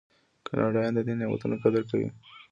کاناډایان د دې نعمتونو قدر کوي.